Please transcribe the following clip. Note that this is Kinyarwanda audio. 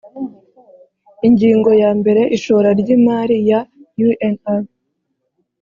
ingingo yambere ishora ry imari ya unr